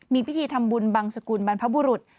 มีพิธีทำบุญบังสกุลบรรพบุรุษ